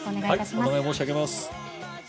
お願い申し上げます。